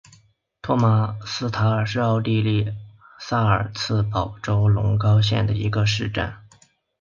托马塔尔是奥地利萨尔茨堡州隆高县的一个市镇。